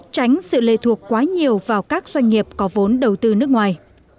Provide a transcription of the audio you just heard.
tránh sự lệ thuộc quá nhiều vào các doanh nghiệp có vốn đầu tư nước ngoài